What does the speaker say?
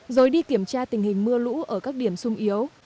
rồi đi kiểm tra tình hình mưa lũ ở các điểm sung yếu